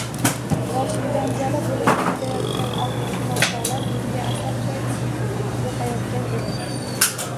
Boshimdan jala bo‘lib quyilayotgan olqishu maqtovlar menga asal choydek yoqayotgan edi